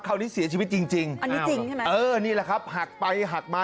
คราวนี้เสียชีวิตจริงจริงอันนี้จริงใช่ไหมเออนี่แหละครับหักไปหักมา